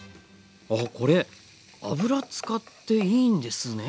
あこれ油使っていいんですね。